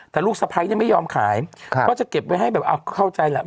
แต่ลูกสะพ้ายเนี่ยไม่ยอมขายก็จะเก็บไว้ให้แบบเอาเข้าใจแหละ